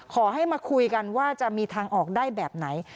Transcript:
ขอให้มาคุยกันว่าจะมีทางออกได้แบบไหน